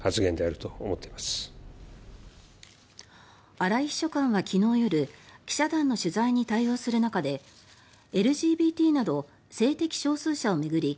荒井秘書官は昨日夜記者団の取材に対応する中でＬＧＢＴなど性的少数者を巡り